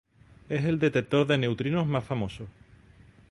Es el detector de neutrinos más famoso.